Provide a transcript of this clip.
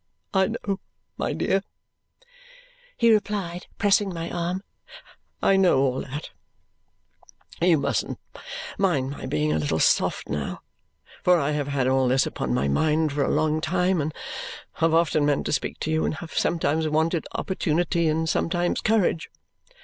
"I know, my dear," he replied, pressing my arm, "I know all that. You mustn't mind my being a little soft now, for I have had all this upon my mind for a long time, and have often meant to speak to you, and have sometimes wanted opportunity and sometimes courage.